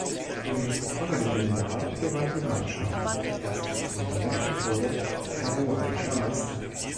Im folgenden Jahr gewann die Mannschaft ihr erstes Turnier und wurde peruanischer Meister.